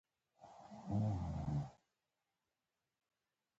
چـې د نـورو هېـوادونـو د رقـابـت مـيدان وګـرځـي.